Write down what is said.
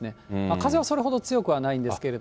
風はそれほど強くはないんですけども。